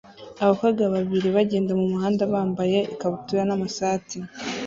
Abakobwa babiri bagenda mumuhanda bambaye ikabutura n'amashati